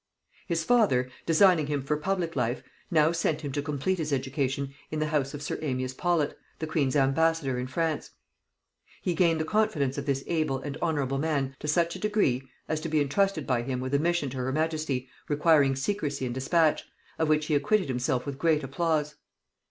His father, designing him for public life, now sent him to complete his education in the house of sir Amias Paulet, the queen's ambassador in France. He gained the confidence of this able and honorable man to such a degree, as to be intrusted by him with a mission to her majesty requiring secrecy and dispatch, of which he acquitted himself with great applause.